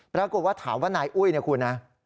ปรากฏว่าถามว่านายอุ้ยเนี่ยคุณนะ